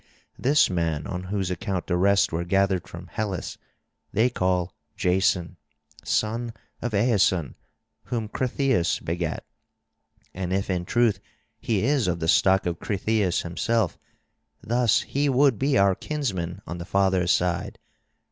This man on whose account the rest were gathered from Hellas, they call Jason, son of Aeson, whom Cretheus begat. And if in truth he is of the stock of Cretheus himself, thus he would be our kinsman on the father's side.